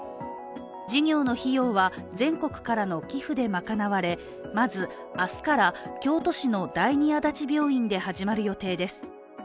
事業の費用は、全国からの寄付で賄われまず、明日から京都市の第二足立病院で始まる予定です。